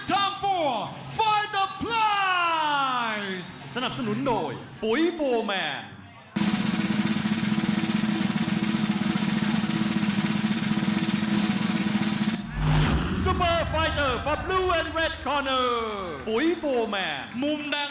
รับไปเลยเงินรางวัลซุปเปอร์ไฟเตอร์คนละ๑๐๐๐๐บาท